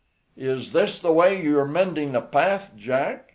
"Is this the way you are mending the path, Jack?"